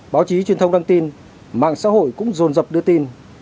báo chí truyền thông đăng tin mạng xã hội cũng rồn rập đưa tin